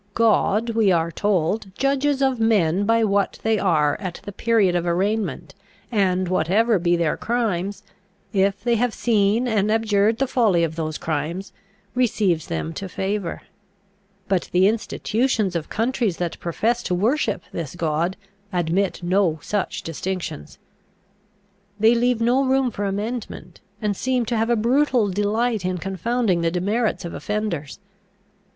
God, we are told, judges of men by what they are at the period of arraignment, and whatever be their crimes, if they have seen and abjured the folly of those crimes, receives them to favour. But the institutions of countries that profess to worship this God admit no such distinctions. They leave no room for amendment, and seem to have a brutal delight in confounding the demerits of offenders.